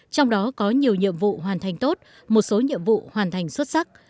trong đó có nhiều nhiệm vụ hoàn thành tốt một số nhiệm vụ hoàn thành xuất sắc